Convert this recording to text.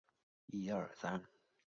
丁香路附近设施